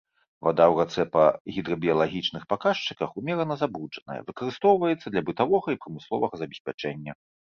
Вада ў рацэ па гідрабіялагічных паказчыках умерана забруджаная, выкарыстоўваецца для бытавога і прамысловага забеспячэння.